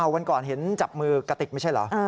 วันก่อนเห็นจับมือกระติกไม่ใช่เหรอ